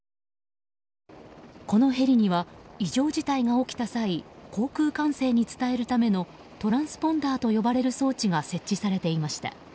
このヘリには異常事態が起きた際航空管制に伝えるためのトランスポンダーと呼ばれる装置が設置されていました。